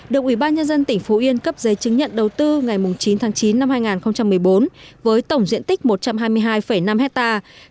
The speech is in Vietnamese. được ủy ban nhân dân tỉnh phú yên cấp giấy chứng nhận đầu tư ngày chín tháng chín năm hai nghìn một mươi bốn với tổng diện tích một trăm hai mươi hai năm hectare